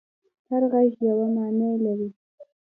هر غږ یوه معنی لري.